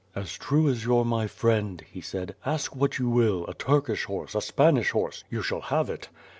"As true as you're my friend," he said, "ask what you will, a Turkish horse, a Spanish horse; you shall have it.